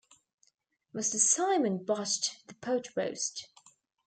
Mr. Simon botched the pot roast.